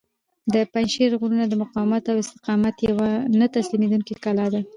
د پنجشېر غرونه د مقاومت او استقامت یوه نه تسلیمیدونکې کلا ده.